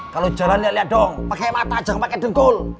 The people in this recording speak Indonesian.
kalau jalan liat liat dong pake mata aja jangan pake dengkul